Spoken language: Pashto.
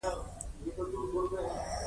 د مينې حالت شېبه په شېبه له واکه وته.